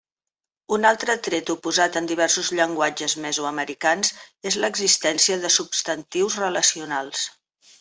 Un altre tret oposat en diversos llenguatges mesoamericans és l'existència de substantius relacionals.